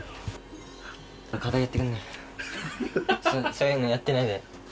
そういうのやってないで。